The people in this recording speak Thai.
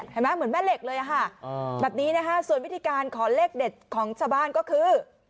เหมือนแม่เหล็กเลยส่วนวิธีการของเลขเด็ดของชาวบ้านก็คือ